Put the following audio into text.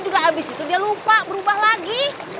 juga habis itu dia lupa berubah lagi